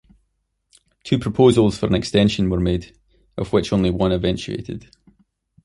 Two proposals for an extension were made, of which only one eventuated.